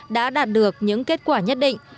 đã đạt được những kết quả nhất định